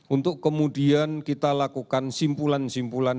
untuk kemudian kita lakukan simpulan simpulan